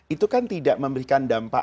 itu kan tidak memberikan dampak